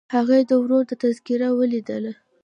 هغې د ورور تذکره ولیدله.